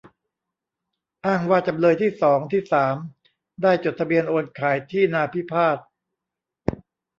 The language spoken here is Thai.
อ้างว่าจำเลยที่สอง ที่สาม ได้จดทะเบียนโอนขายที่นาพิพาท